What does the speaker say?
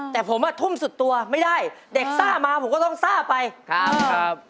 แต่ผมอ่ะทุ่มสุดตัวไม่ได้เด็กซ่ามาผมก็ต้องซ่าไปครับครับ